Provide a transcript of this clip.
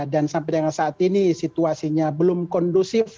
dan sampai dengan saat ini situasinya belum kondusif